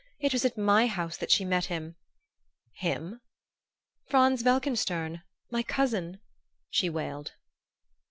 It was at my house that she met him ' "'Him?' "'Franz Welkenstern my cousin,' she wailed.